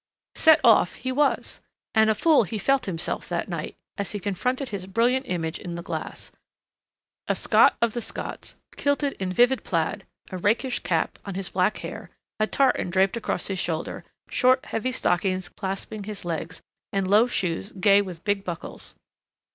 Set off he was. And a fool he felt himself that night, as he confronted his brilliant image in the glass. A Scot of the Scots, kilted in vivid plaid, a rakish cap on his black hair, a tartan draped across his shoulder, short, heavy stockings clasping his legs and low shoes gay with big buckles.